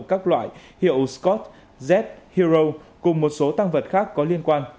các loại hiệu scott z hero cùng một số tăng vật khác có liên quan